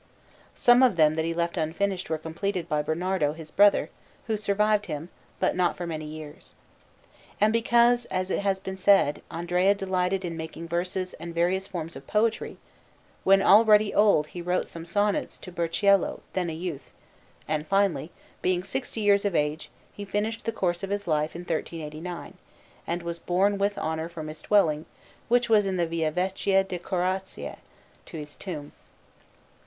Some of them that he left unfinished were completed by Bernardo, his brother, who survived him, but not for many years. And because, as it has been said, Andrea delighted in making verses and various forms of poetry, when already old he wrote some sonnets to Burchiello, then a youth; and finally, being sixty years of age, he finished the course of his life in 1389, and was borne with honour from his dwelling, which was in the Via Vecchia de' Corazzai, to his tomb.